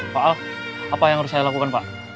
pak al apa yang harus saya lakukan pak